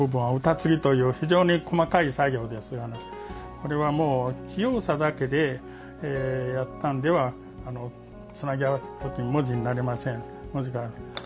これはもう器用さだけでやったんではつなぎ合わせた時に文字になりません。